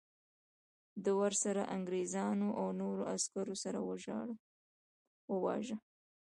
د ورسره انګریزانو او نورو عسکرو سره وواژه.